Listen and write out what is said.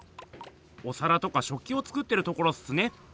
おさらとかしょっきを作ってるところっすね。